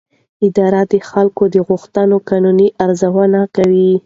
اداره د خلکو د غوښتنو قانوني ارزونه کوي.